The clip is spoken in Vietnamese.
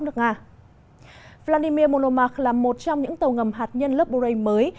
tàu ngầm hạt nhân vladimir monomark là một trong những tàu ngầm hạt nhân lớp burei mới